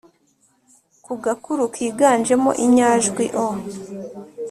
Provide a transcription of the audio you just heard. ku gakuru kiganjemo inyajwi o,